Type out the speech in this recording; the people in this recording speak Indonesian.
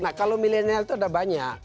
nah kalau milenial itu ada banyak